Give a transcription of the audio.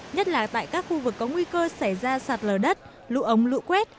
nhất là tại các khu vực có nguy cơ xảy ra sạt lở đất lũ ống lũ quét